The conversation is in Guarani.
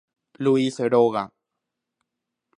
Luis róga.